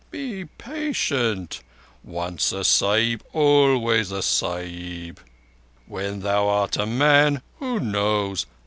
Be patient. Once a Sahib, always a Sahib. When thou art a man—who knows?